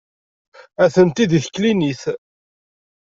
Atenti deg teklinit.